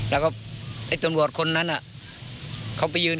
แล้วก็ตรงบวชคนนั้นเขาไปยืน